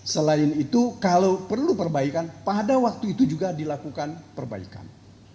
selain itu kalau perlu perbaikan pada waktu itu juga dilakukan perbaikan